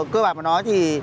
cơ bản mà nói thì